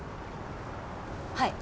はい！